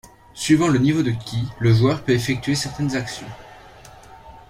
Suivant le niveau de ki, le joueur peut effectuer certaines actions.